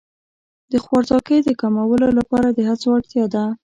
د خوارځواکۍ د کمولو لپاره د هڅو اړتیا ده.